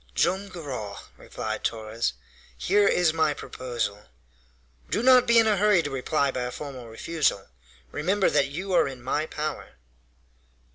"Joam Garral," replied Torres, "here is my proposal. Do not be in a hurry to reply by a formal refusal. Remember that you are in my power."